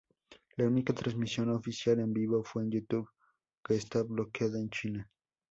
La única transmisión oficial en vivo fue en YouTube, que está bloqueado en China.